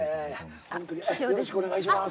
よろしくお願いします。